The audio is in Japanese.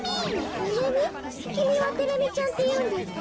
きみはテレミちゃんっていうんですか？